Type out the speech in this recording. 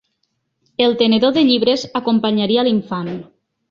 El tenedor de llibres, acompanyaria l'infant